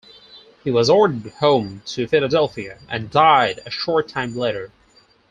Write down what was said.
He was ordered home to Philadelphia, and died a short time later.